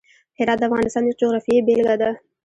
هرات د افغانستان د جغرافیې بېلګه ده.